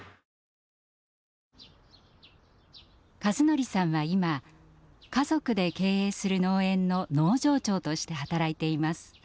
一法さんは今、家族で経営する農園の農場長として働いています。